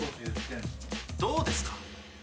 どうですか？